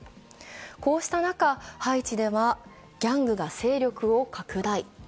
こうした中、ハイチではギャングが勢力を拡大。